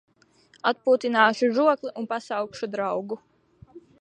Atpūtināšu žokli un pasaukšu draugu.